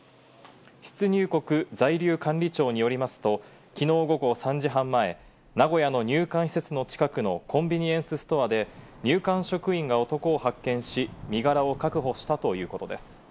出入国在留管理庁によりますと、昨日午後３時半前、名古屋の入管施設の近くのコンビニエンスストアで入管職員が男を発見し、身柄を確保したということです。